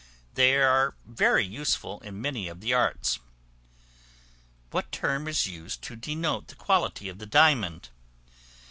they are very useful in many of the arts. What term is used to denote the quality of the Diamond?